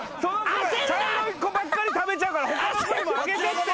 茶色い子ばっかり食べちゃうから他の子にもあげてって。